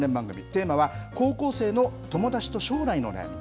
テーマは高校生の友だちと将来の願い。